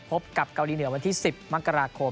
พบกับเกาหลีเหนือวันที่๑๐มกราคม